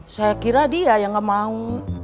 saya kira dia yang gak mau